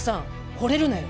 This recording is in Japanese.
ほれるなよ。